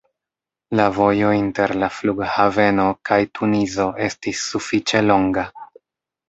La vojo inter la flughaveno kaj Tunizo estis sufiĉe longa.